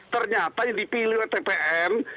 ternyata yang dipilih oleh tpn